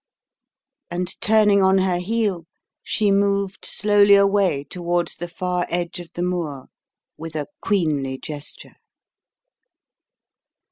And turning on her heel, she moved slowly away towards the far edge of the moor with a queenly gesture.